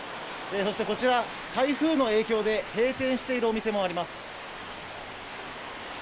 そして台風の影響で閉店しているお店もあります。